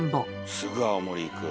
すぐ青森行く。